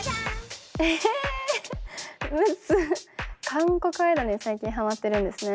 韓国アイドルに最近はまってるんですね。